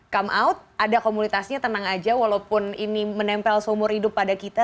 come out ada komunitasnya tenang aja walaupun ini menempel seumur hidup pada kita